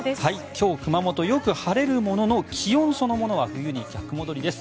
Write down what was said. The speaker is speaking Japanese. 今日、熊本よく晴れるものの気温そのものは冬に逆戻りです。